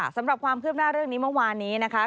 สำหรับความคืบหน้าเรื่องนี้เมื่อวานนี้นะคะ